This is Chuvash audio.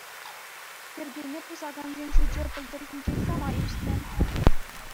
Йӗркене пӑсакансен шучӗ пӗлтӗрхинчен самай ӳснӗ.